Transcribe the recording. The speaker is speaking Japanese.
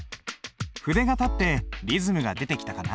筆が立ってリズムが出てきたかな？